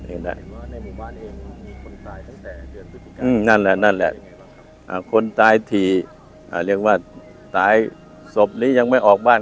อ๋ออืมนั่นแหละนั่นแหละอ่าคนตายถี่อ่าเรียกว่าตายสบนี้ยังไม่ออกบ้าน